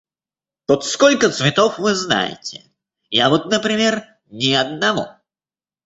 Вот сколько цветов вы знаете? Я вот, например, ни одного.